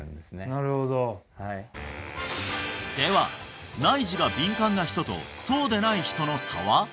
なるほどでは内耳が敏感な人とそうでない人の差は？